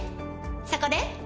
そこで。